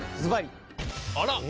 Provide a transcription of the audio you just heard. あら！